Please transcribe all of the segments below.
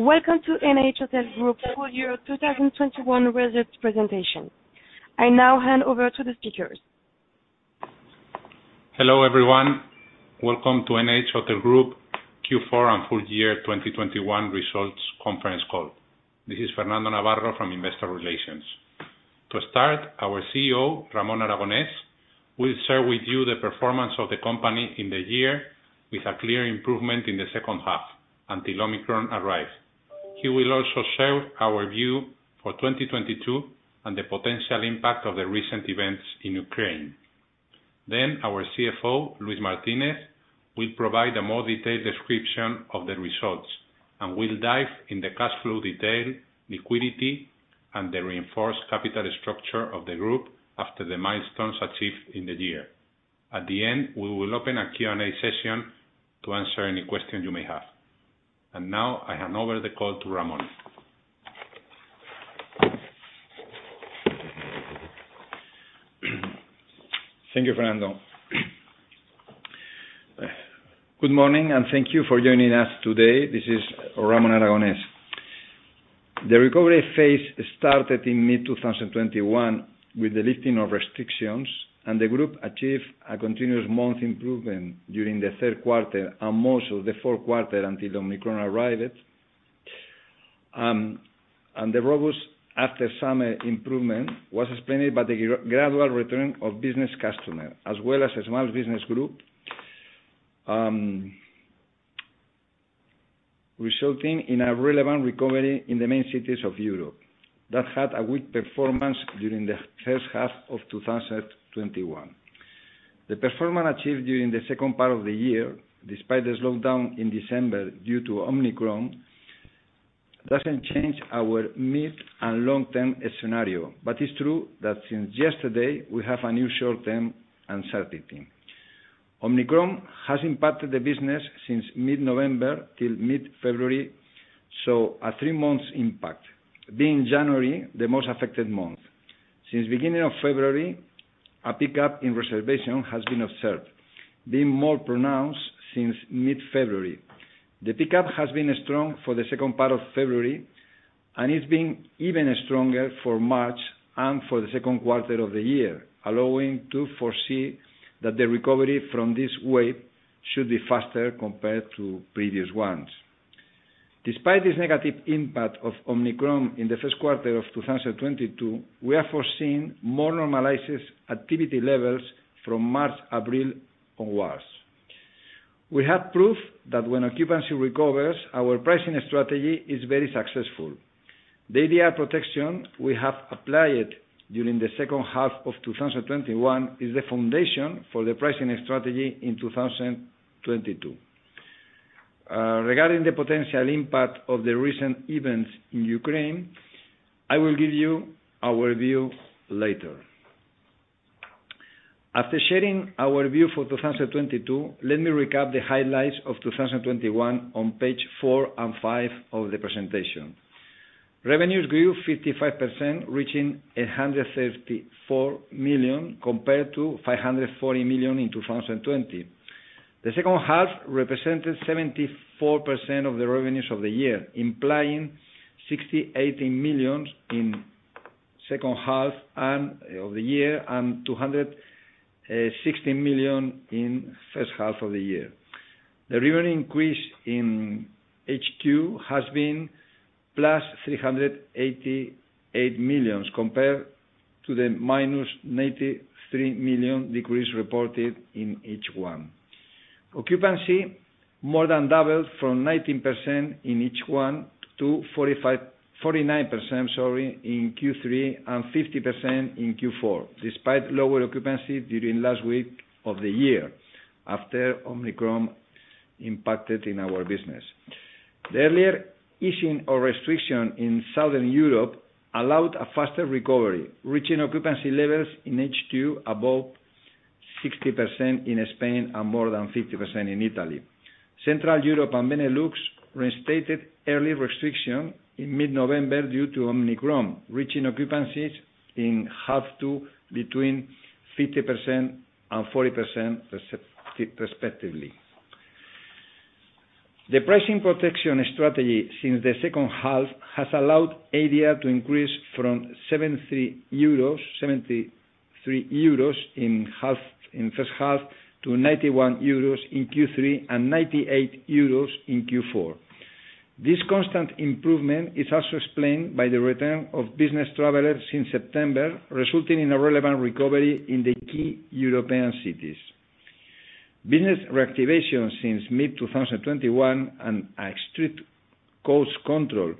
Welcome to NH Hotel Group full year 2021 results presentation. I now hand over to the speakers. Hello, everyone. Welcome to NH Hotel Group Q4 and full year 2021 results conference call. This is Fernando Navarro from Investor Relations. To start, our CEO, Ramón Aragonés, will share with you the performance of the company in the year with a clear improvement in the second half until Omicron arrived. He will also share our view for 2022 and the potential impact of the recent events in Ukraine. Then our CFO, Luis Martínez, will provide a more detailed description of the results and will dive in the cash flow detail, liquidity, and the reinforced capital structure of the group after the milestones achieved in the year. At the end, we will open a Q&A session to answer any questions you may have. Now I hand over the call to Ramón. Thank you, Fernando. Good morning, and thank you for joining us today. This is Ramón Aragonés. The recovery phase started in mid-2021 with the lifting of restrictions, and the group achieved a continuous month improvement during the third quarter and most of the fourth quarter until Omicron arrived. The robust after summer improvement was explained by the gradual return of business customer, as well as a small business group, resulting in a relevant recovery in the main cities of Europe that had a weak performance during the first half of 2021. The performance achieved during the second part of the year, despite the slowdown in December due to Omicron, doesn't change our mid- and long-term scenario, but it's true that since yesterday we have a new short-term uncertainty. Omicron has impacted the business since mid-November till mid-February, so a three-month impact, being January the most affected month. Since the beginning of February, a pickup in reservations has been observed, being more pronounced since mid-February. The pickup has been strong for the second part of February, and it's been even stronger for March and for the second quarter of the year, allowing to foresee that the recovery from this wave should be faster compared to previous ones. Despite this negative impact of Omicron in the first quarter of 2022, we are foreseeing more normalized activity levels from March, April onwards. We have proof that when occupancy recovers, our pricing strategy is very successful. The ADR protection we have applied during the second half of 2021 is the foundation for the pricing strategy in 2022. Regarding the potential impact of the recent events in Ukraine, I will give you our view later. After sharing our view for 2022, let me recap the highlights of 2021 on page four and five of the presentation. Revenues grew 55%, reaching 834 million, compared to 540 million in 2020. The second half represented 74% of the revenues of the year, implying 617 million in second half of the year and 217 million in first half of the year. The revenue increase in H2 has been +388 million compared to the -93 million decrease reported in H1. Occupancy more than doubled from 19% in H1 to 49%, sorry, in Q3, and 50% in Q4, despite lower occupancy during last week of the year after Omicron impacted our business. The earlier easing of restriction in Southern Europe allowed a faster recovery, reaching occupancy levels in H2 above 60% in Spain and more than 50% in Italy. Central Europe and Benelux reinstated early restriction in mid-November due to Omicron, reaching occupancies in H2 to between 50% and 40% respectively. The pricing protection strategy since the second half has allowed ADR to increase from 73 euros in first half to 91 euros in Q3 and 98 euros in Q4. This constant improvement is also explained by the return of business travelers since September, resulting in a relevant recovery in the key European cities. Business reactivation since mid-2021 and a strict cost control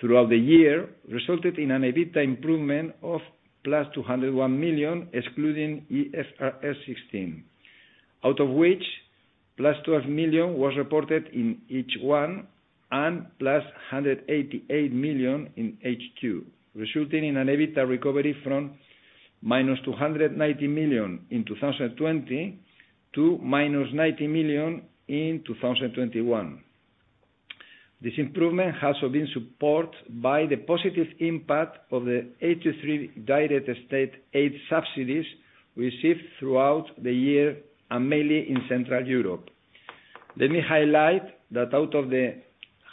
throughout the year resulted in an EBITDA improvement of +201 million, excluding IFRS 16, out of which +12 million was reported in H1 and +188 million in H2, resulting in an EBITDA recovery from -290 million in 2020 to -90 million in 2021. This improvement has been supported by the positive impact of the 83 direct state aid subsidies we see throughout the year, and mainly in Central Europe. Let me highlight that out of the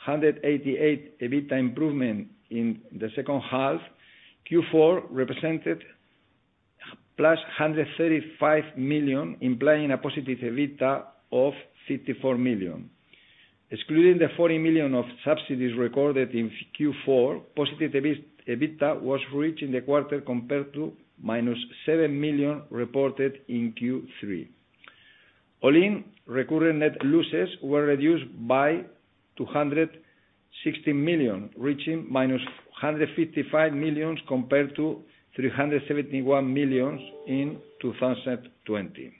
188 EBITDA improvement in the second half, Q4 represented +135 million, implying a positive EBITDA of 54 million. Excluding the 40 million of subsidies recorded in Q4, positive EBITDA was reached in the quarter compared to -7 million reported in Q3. All-in recurring net losses were reduced by 260 million, reaching -155 million compared to 371 million in 2020.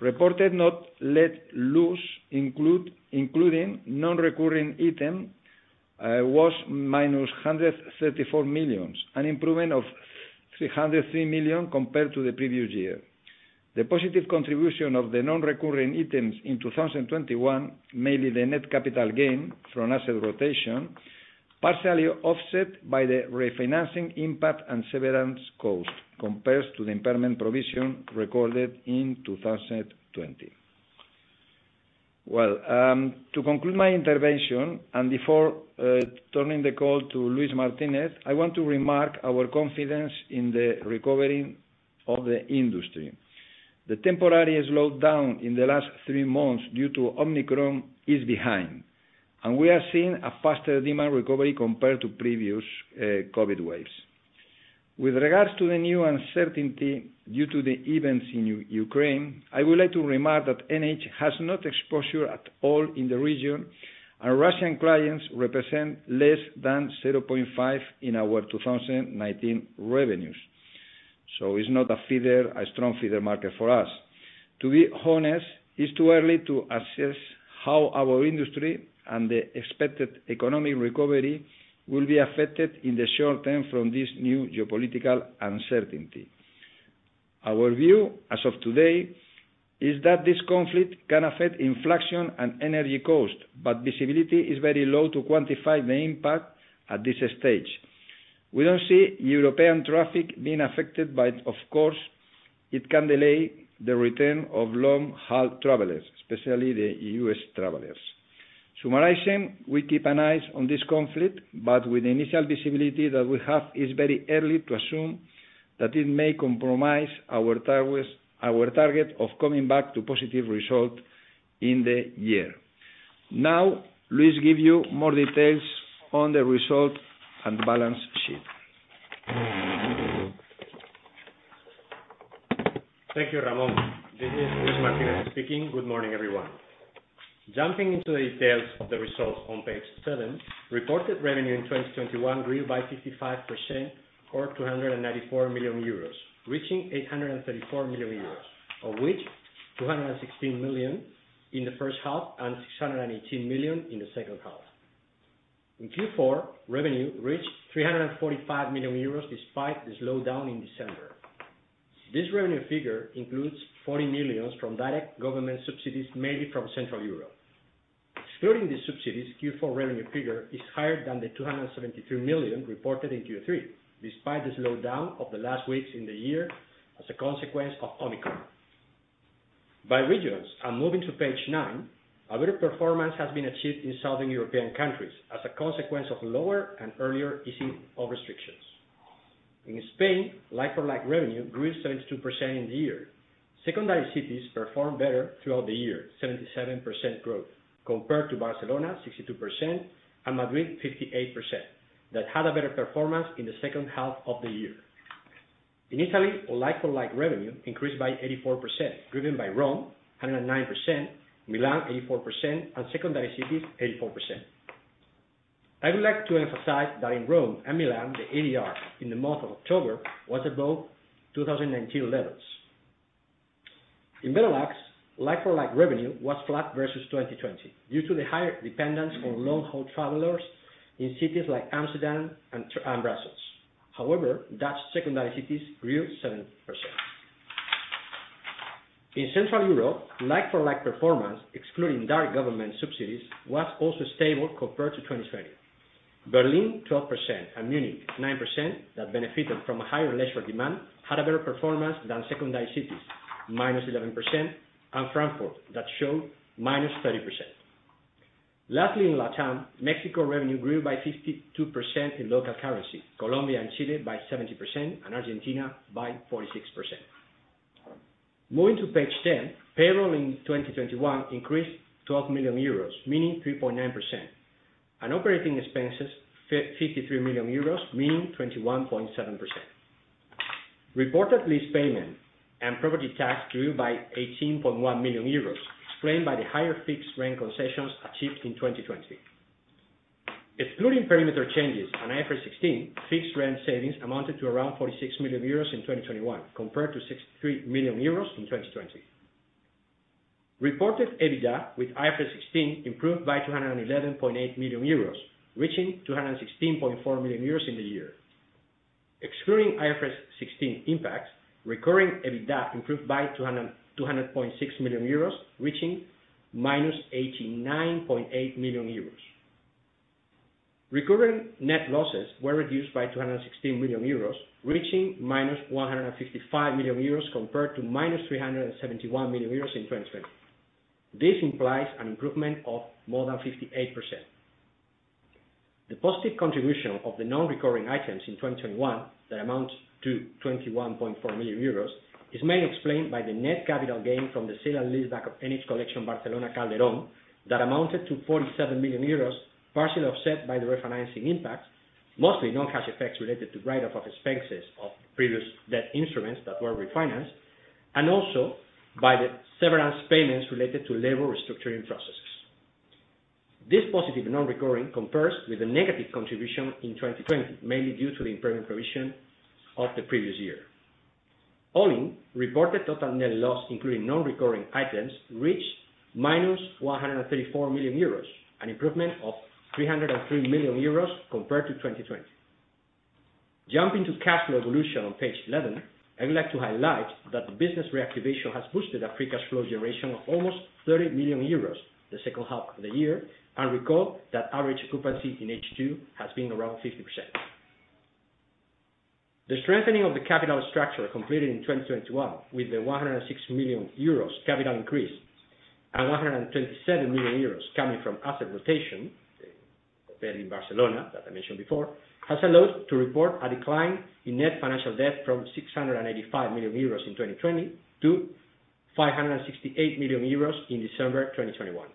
Reported net loss including non-recurring item was -134 million, an improvement of 303 million compared to the previous year. The positive contribution of the non-recurring items in 2021, mainly the net capital gain from asset rotation, partially offset by the refinancing impact and severance cost compared to the impairment provision recorded in 2020. Well, to conclude my intervention and before turning the call to Luis Martínez, I want to remark our confidence in the recovery of the industry. The temporary slowdown in the last three months due to Omicron is behind, and we are seeing a faster demand recovery compared to previous COVID waves. With regards to the new uncertainty due to the events in Ukraine, I would like to remark that NH has no exposure at all in the region, and Russian clients represent less than 0.5% of our 2019 revenues. It's not a feeder, a strong feeder market for us. To be honest, it's too early to assess how our industry and the expected economic recovery will be affected in the short term from this new geopolitical uncertainty. Our view, as of today, is that this conflict can affect inflation and energy cost, but visibility is very low to quantify the impact at this stage. We don't see European traffic being affected, but of course it can delay the return of long-haul travelers, especially the U.S. travelers. Summarizing, we keep an eye on this conflict, but with the initial visibility that we have, it's very early to assume that it may compromise our towers, our target of coming back to positive result in the year. Now, Luis give you more details on the result and the balance sheet. Thank you, Ramón. This is Luis Martínez speaking. Good morning, everyone. Jumping into the details of the results on page 7, reported revenue in 2021 grew by 55% or 294 million euros, reaching 834 million euros, of which 216 million in the first half and 618 million in the second half. In Q4, revenue reached 345 million euros, despite the slowdown in December. This revenue figure includes 40 million from direct government subsidies, mainly from Central Europe. Excluding these subsidies, Q4 revenue figure is higher than the 273 million reported in Q3, despite the slowdown of the last weeks in the year as a consequence of Omicron. By regions, moving to page nine, a good performance has been achieved in Southern European countries as a consequence of lower and earlier easing of restrictions. In Spain, like-for-like revenue grew 72% in the year. Secondary cities performed better throughout the year, 77% growth, compared to Barcelona, 62%, and Madrid, 58%, that had a better performance in the second half of the year. In Italy, like-for-like revenue increased by 84%, driven by Rome, 109%, Milan, 84%, and secondary cities, 84%. I would like to emphasize that in Rome and Milan, the ADR in the month of October was above 2019 levels. In Benelux, like-for-like revenue was flat versus 2020 due to the higher dependence on long-haul travelers in cities like Amsterdam and Brussels. However, Dutch secondary cities grew 7%. In Central Europe, like-for-like performance, excluding direct government subsidies, was also stable compared to 2020. Berlin, 12%, and Munich, 9%, that benefited from a higher leisure demand, had a better performance than secondary cities, -11%, and Frankfurt, that showed -30%. Lastly, in Latam, Mexico revenue grew by 52% in local currency, Colombia and Chile by 70%, and Argentina by 46%. Moving to page 10, payroll in 2021 increased 12 million euros, meaning 3.9%, and operating expenses, 53 million euros, meaning 21.7%. Reported lease payment and property tax grew by 18.1 million euros, explained by the higher fixed rent concessions achieved in 2020. Excluding perimeter changes and IFRS 16, fixed rent savings amounted to around 46 million euros in 2021 compared to 63 million euros in 2020. Reported EBITDA with IFRS 16 improved by 211.8 million euros, reaching 216.4 million euros in the year. Excluding IFRS 16 impacts, recurring EBITDA improved by 200.6 million euros, reaching -89.8 million euros. Recurring net losses were reduced by 216 million euros, reaching -155 million euros compared to -371 million euros in 2020. This implies an improvement of more than 58%. The positive contribution of the non-recurring items in 2021 that amounts to 21.4 million euros is mainly explained by the net capital gain from the sale and leaseback of NH Collection Barcelona Calderón, that amounted to 47 million euros, partially offset by the refinancing impact, mostly non-cash effects related to write off expenses of previous debt instruments that were refinanced, and also by the severance payments related to labor restructuring processes. This positive non-recurring compares with the negative contribution in 2020, mainly due to the impairment provision of the previous year. All in, reported total net loss including non-recurring items, reached -134 million euros, an improvement of 303 million euros compared to 2020. Jumping to cash flow evolution on page 11, I would like to highlight that the business reactivation has boosted a free cash flow generation of almost 30 million euros the second half of the year, and recall that average occupancy in H2 has been around 50%. The strengthening of the capital structure completed in 2021 with the 106 million euros capital increase and 127 million euros coming from asset rotation, the hotel in Barcelona that I mentioned before, has allowed to report a decline in net financial debt from 685 million euros in 2020 to 568 million euros in December 2021.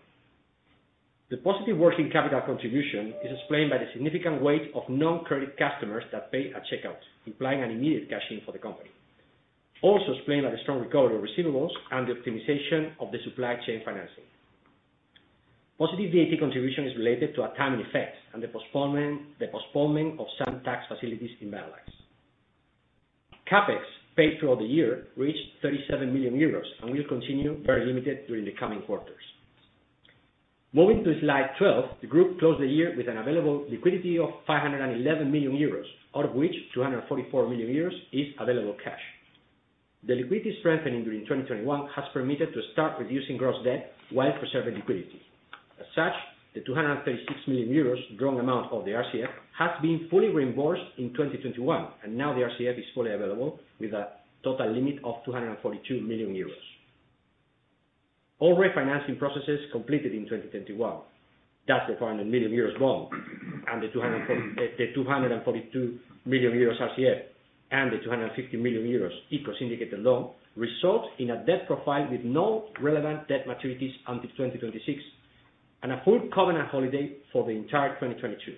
The positive working capital contribution is explained by the significant weight of non-credit customers that pay at checkout, implying an immediate cashing for the company. Explained by the strong recovery of receivables and the optimization of the supply chain financing. Positive VAT contribution is related to a timing effects and the postponement of some tax facilities in Benelux. CapEx paid throughout the year reached 37 million euros and will continue very limited during the coming quarters. Moving to slide 12, the group closed the year with an available liquidity of 511 million euros, out of which 244 million euros is available cash. The liquidity strengthening during 2021 has permitted to start reducing gross debt while preserving liquidity. As such, the 236 million euros drawn amount of the RCF has been fully reimbursed in 2021, and now the RCF is fully available with a total limit of 242 million euros. All refinancing processes completed in 2021. That's the 400 million euros bond and the 242 million euros RCF, and the 250 million euros ESG-linked syndicated loan result in a debt profile with no relevant debt maturities until 2026, and a full covenant holiday for the entire 2022.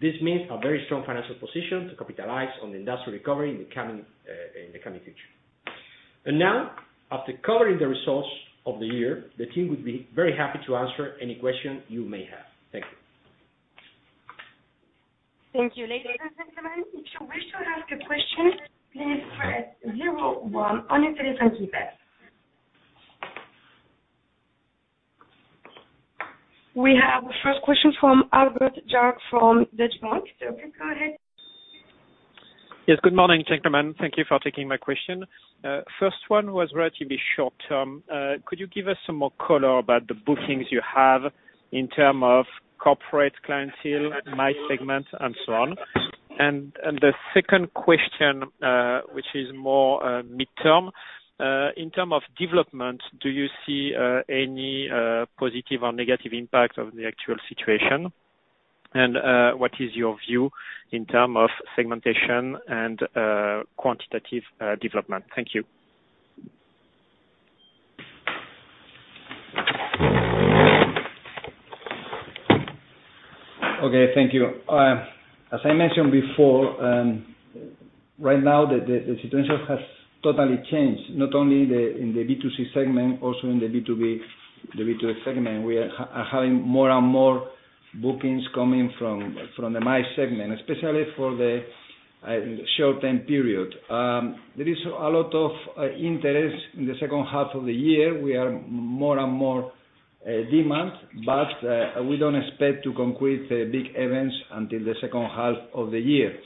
This means a very strong financial position to capitalize on the industrial recovery in the coming future. Now, after covering the results of the year, the team would be very happy to answer any question you may have. Thank you. Thank you. We have the first question from André Juillard from Deutsche Bank. You can go ahead. Yes. Good morning, gentlemen. Thank you for taking my question. First one was relatively short-term. Could you give us some more color about the bookings you have in terms of corporate clientele, MICE segment and so on? The second question, which is more mid-term. In terms of development, do you see any positive or negative impact of the actual situation? What is your view in terms of segmentation and quantitative development? Thank you. Okay, thank you. As I mentioned before, right now the situation has totally changed, not only in the B2C segment, also in the B2B segment. We are having more and more bookings coming from the MICE segment, especially for the short-term period. There is a lot of interest in the second half of the year. We have more and more demand, but we don't expect to complete big events until the second half of the year.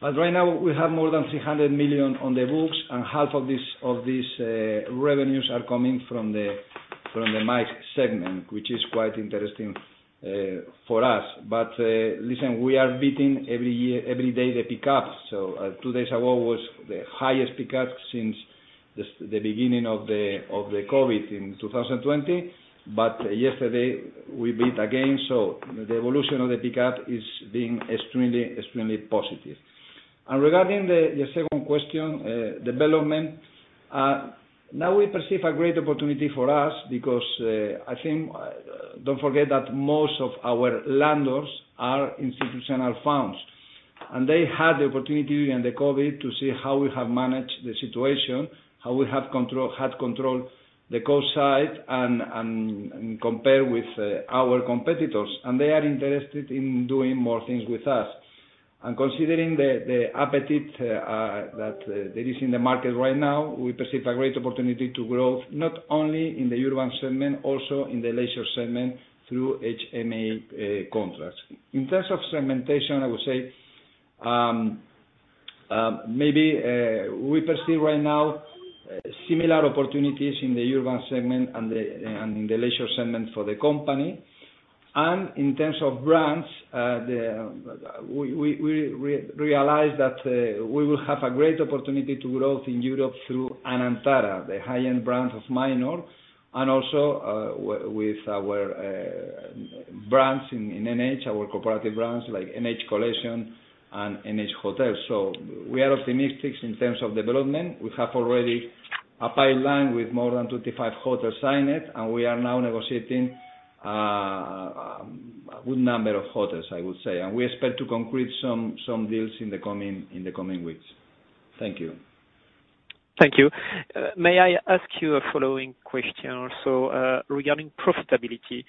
Right now, we have more than 300 million on the books, and half of these revenues are coming from the MICE segment, which is quite interesting for us. Listen, we are beating every day the pickup. Two days ago was the highest pickup since the beginning of the COVID in 2020. Yesterday we beat again, so the evolution of the pickup is being extremely positive. Regarding the second question, development. Now we perceive a great opportunity for us because, I think, don't forget that most of our landlords are institutional firms. They had the opportunity during the COVID to see how we have managed the situation, how we had control the cost side and compare with our competitors. They are interested in doing more things with us. Considering the appetite that there is in the market right now, we perceive a great opportunity to grow, not only in the urban segment, also in the leisure segment through HMA contracts. In terms of segmentation, I would say. Maybe we perceive right now similar opportunities in the urban segment and the leisure segment for the company. In terms of brands, we realize that we will have a great opportunity to grow in Europe through Anantara, the high-end brand of Minor. Also, with our brands in NH, our corporate brands like NH Collection and NH Hotels. We are optimistic in terms of development. We have already a pipeline with more than 25 hotels signed, and we are now negotiating a good number of hotels, I would say. We expect to conclude some deals in the coming weeks. Thank you. Thank you. May I ask you a following question also, regarding profitability?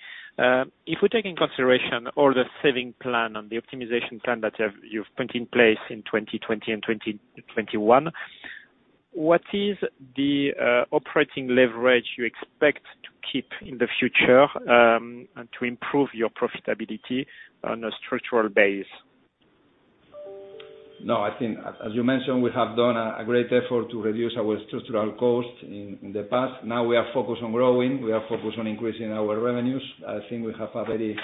If we take into consideration all the savings plan and the optimization plan that you have, you've put in place in 2020 and 2021, what is the operating leverage you expect to keep in the future, to improve your profitability on a structural basis? No, I think as you mentioned, we have done a great effort to reduce our structural costs in the past. Now we are focused on growing. We are focused on increasing our revenues. I think we have a very,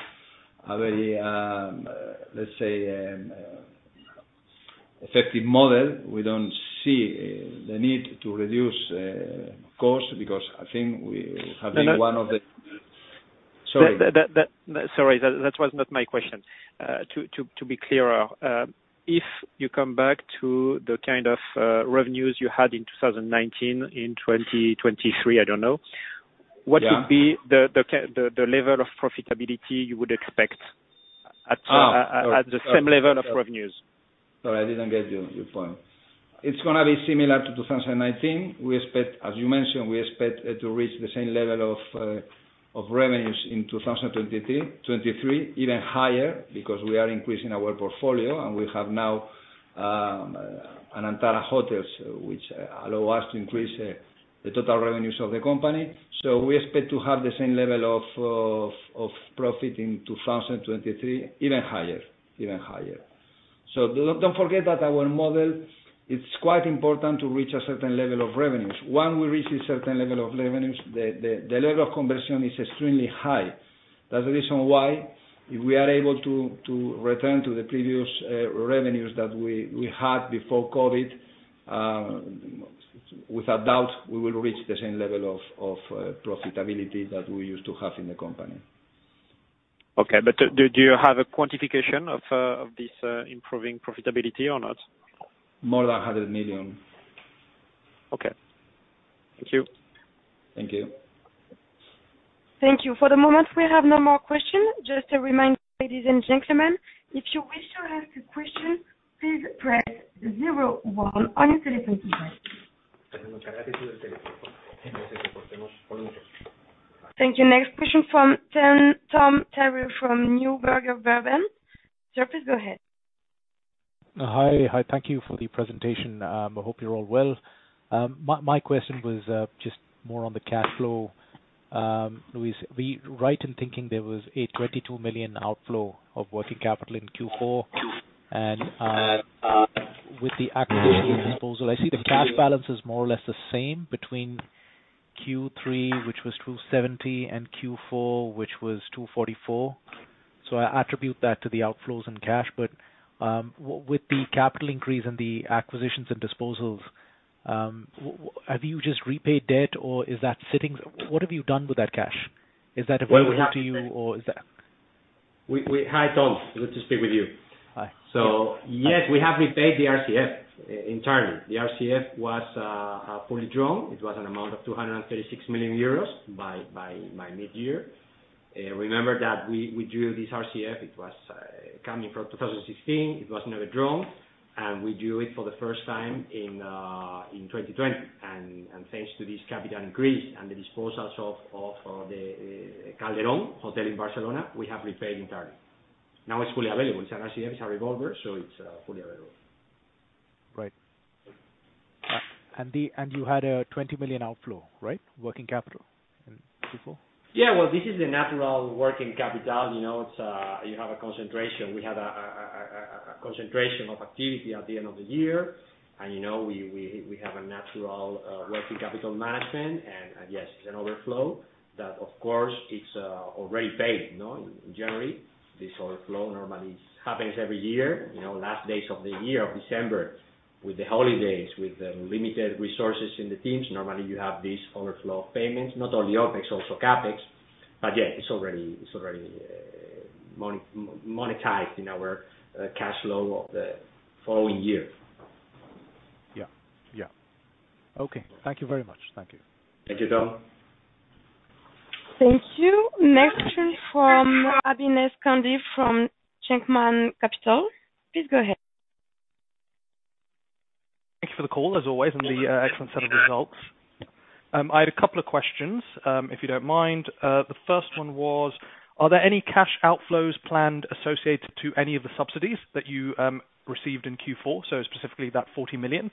let's say, effective model. We don't see the need to reduce costs because I think we have been one of the. That, sorry. That was not my question. To be clearer, if you come back to the kind of revenues you had in 2019, in 2023, I don't know. Yeah. What would be the level of profitability you would expect at? Oh. At the same level of revenues? Sorry, I didn't get your point. It's gonna be similar to 2019. We expect, as you mentioned, we expect it to reach the same level of revenues in 2023, even higher, because we are increasing our portfolio, and we have now Anantara Hotels, which allow us to increase the total revenues of the company. We expect to have the same level of profit in 2023, even higher. Don't forget that our model, it's quite important to reach a certain level of revenues. Once we reach a certain level of revenues, the level of conversion is extremely high. That's the reason why if we are able to return to the previous revenues that we had before COVID, without doubt, we will reach the same level of profitability that we used to have in the company. Okay. Do you have a quantification of this improving profitability or not? More than 100 million. Okay. Thank you. Thank you. Thank you. For the moment, we have no more question. Just a reminder, ladies and gentlemen, if you wish to ask a question, please press zero one on your telephone keypad. Thank you. Next question from Tom Hogan from Neuberger Berman. Sir, please go ahead. Hi. Hi. Thank you for the presentation. I hope you're all well. My question was just more on the cash flow. Luis, are we right in thinking there was a 22 million outflow of working capital in Q4. With the acquisition and disposal, I see the cash balance is more or less the same between Q3, which was 270 million, and Q4, which was 244 million. I attribute that to the outflows in cash. With the capital increase in the acquisitions and disposals, have you just repaid debt or is that sitting? What have you done with that cash? Is that available to you or is that- Hi, Tom. Good to speak with you. Hi. Yes, we have repaid the RCF entirely. The RCF was fully drawn. It was an amount of 236 million euros by mid-year. Remember that we drew this RCF. It was coming from 2016. It was never drawn, and we drew it for the first time in 2020. Thanks to this capital increase and the disposals of the Calderón Hotel in Barcelona, we have repaid entirely. Now it's fully available. It's an RCF. It's a revolver, so it's fully available. Right. You had a 20 million outflow, right? Working capital in Q4? Yeah. Well, this is the natural working capital. You know, it's you have a concentration. We have a concentration of activity at the end of the year. You know, we have a natural working capital management. Yes, it's an overflow that of course is already paid, you know. In January, this overflow normally happens every year. You know, last days of the year of December with the holidays, with the limited resources in the teams. Normally, you have this overflow of payments, not only OpEx, also CapEx. Yeah, it's already monetized in our cash flow of the following year. Yeah. Yeah. Okay. Thank you very much. Thank you. Thank you, Tom. Thank you. Next question from Abhinav Gandhi from Shenkman Capital. Please go ahead. Thank you for the call, as always, and the excellent set of results. I had a couple of questions, if you don't mind. The first one was, are there any cash outflows planned associated to any of the subsidies that you received in Q4? So specifically that 40 million.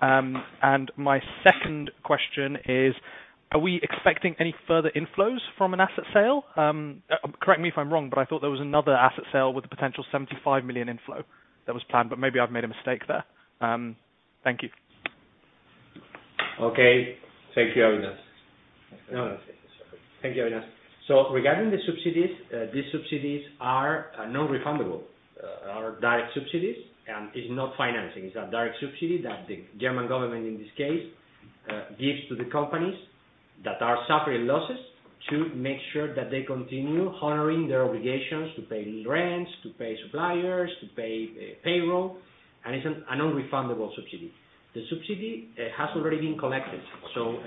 My second question is, are we expecting any further inflows from an asset sale? Correct me if I'm wrong, but I thought there was another asset sale with a potential 75 million inflow that was planned, but maybe I've made a mistake there. Thank you. Okay. Thank you, Abhinav. No, no. Thank you, Abhinav. Regarding the subsidies, these subsidies are non-refundable. They are direct subsidies, and it's not financing. It's a direct subsidy that the German government, in this case, gives to the companies that are suffering losses to make sure that they continue honoring their obligations to pay rents, to pay suppliers, to pay payroll. It's a non-refundable subsidy. The subsidy has already been collected, so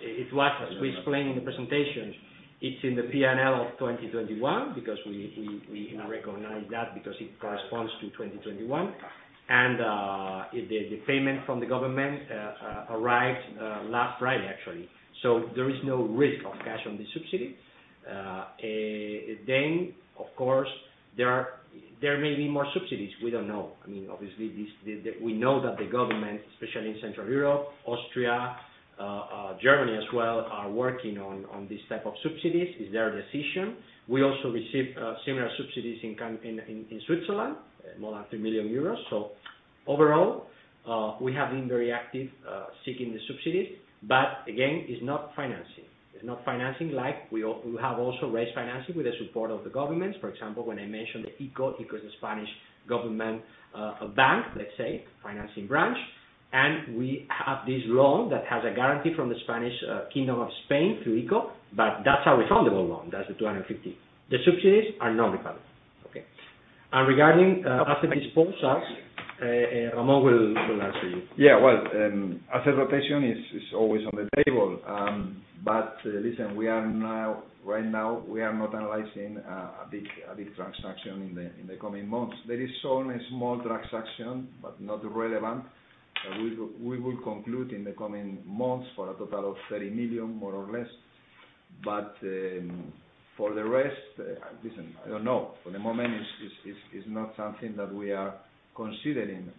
it was, as we explained in the presentation, it's in the P&L of 2021 because we recognize that because it corresponds to 2021. The payment from the government arrived last Friday, actually. There is no risk of cash on the subsidy. Of course, there may be more subsidies. We don't know. I mean, obviously this, we know that the government, especially in Central Europe, Austria, Germany as well, are working on these type of subsidies. It's their decision. We also receive similar subsidies in Switzerland, more than 3 million euros. Overall, we have been very active seeking the subsidies. Again, it's not financing. It's not financing like we have also raised financing with the support of the governments. For example, when I mentioned the ICO is a Spanish government bank, let's say, financing branch. We have this loan that has a guarantee from the Spanish Kingdom of Spain through ICO, but that's a refundable loan. That's the 250 million. The subsidies are non-refundable. Okay. Regarding asset disposals, Ramón will answer you. Yeah, well, asset rotation is always on the table. Listen, we are right now not analyzing a big transaction in the coming months. There is only a small transaction, but not relevant. We will conclude in the coming months for a total of 30 million, more or less. For the rest, listen, I don't know. For the moment, it's not something that we are considering.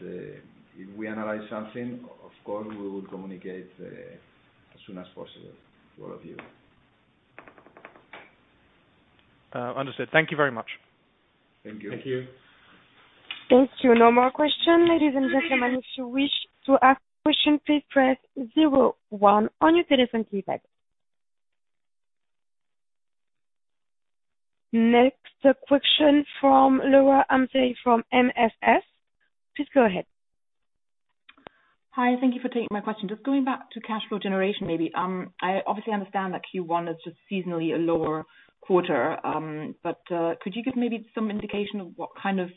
If we analyze something, of course, we will communicate as soon as possible to all of you. Understood. Thank you very much. Thank you. Thank you. Thank you. No more question. Ladies and gentlemen, if you wish to ask question, please press zero one on your telephone keypad. Next question from Laura Homsy from MSF. Please go ahead. Hi. Thank you for taking my question. Just going back to cash flow generation, maybe. I obviously understand that Q1 is just seasonally a lower quarter. But could you give maybe some indication of what kind of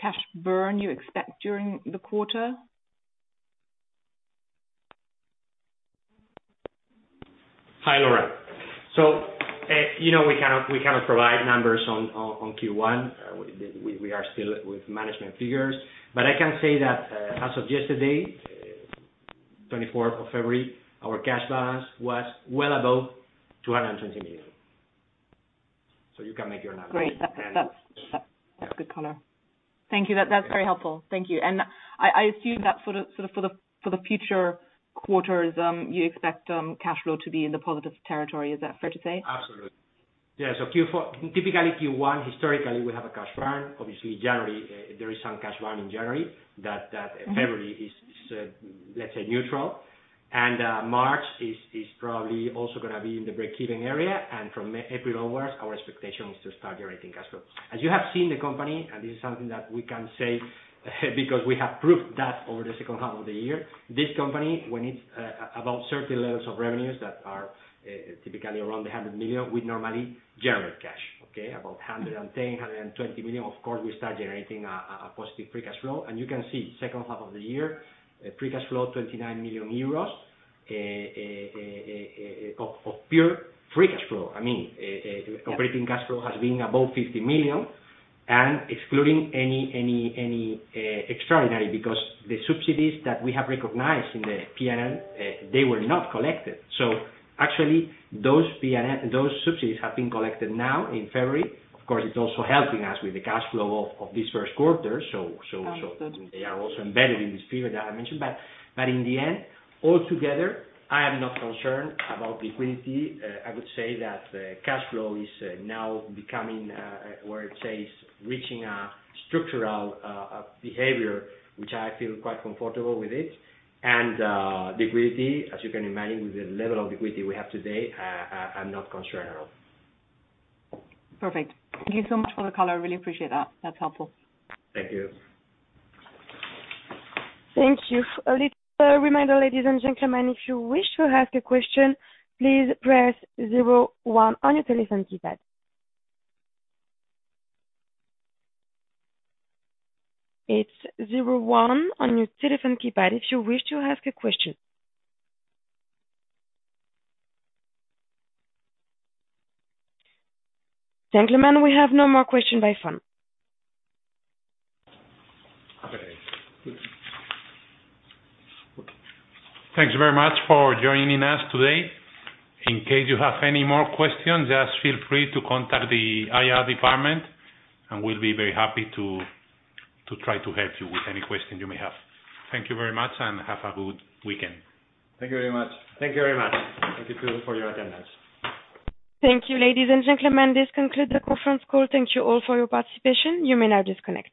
cash burn you expect during the quarter? Hi, Laura. You know, we cannot provide numbers on Q1. We are still with management figures. I can say that, as of yesterday, 24th of February, our cash balance was well above 220 million. You can make your analysis. Great. That's good color. Thank you. That's very helpful. Thank you. I assume that sort of for the future quarters, you expect cash flow to be in the positive territory. Is that fair to say? Absolutely. Yeah. Typically Q1, historically, we have a cash burn. Obviously, January, there is some cash burn in January that February is, let's say, neutral. March is probably also gonna be in the breakeven area. From April onwards, our expectation is to start generating cash flow. As you have seen, the company, and this is something that we can say because we have proved that over the second half of the year, this company, when it's about certain levels of revenues that are typically around 100 million, we normally generate cash, okay? About 110 million, 120 million, of course, we start generating a positive free cash flow. You can see second half of the year, free cash flow 29 million euros of pure free cash flow. I mean, Yeah. Operating cash flow has been above 50 million and excluding any extraordinary because the subsidies that we have recognized in the P&L, they were not collected. Actually, those subsidies have been collected now in February. Of course, it's also helping us with the cash flow of this first quarter. Understood. They are also embedded in this figure that I mentioned. In the end, all together, I am not concerned about liquidity. I would say that cash flow is reaching a structural behavior, which I feel quite comfortable with it. Liquidity, as you can imagine, with the level of liquidity we have today, I am not concerned at all. Perfect. Thank you so much for the color. I really appreciate that. That's helpful. Thank you. Thank you. A little reminder, ladies and gentlemen, if you wish to ask a question, please press zero one on your telephone keypad. It's zero one on your telephone keypad if you wish to ask a question. Gentlemen, we have no more question by phone. Okay. Thanks very much for joining us today. In case you have any more questions, just feel free to contact the IR department, and we'll be very happy to try to help you with any question you may have. Thank you very much and have a good weekend. Thank you very much. Thank you very much. Thank you too for your attendance. Thank you, ladies and gentlemen. This concludes the conference call. Thank you all for your participation. You may now disconnect.